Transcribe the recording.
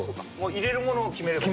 入れるものを決めればいい。